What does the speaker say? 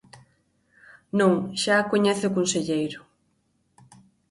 Non, xa a coñece o conselleiro.